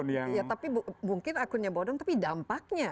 tapi mungkin akunnya bodong tapi dampaknya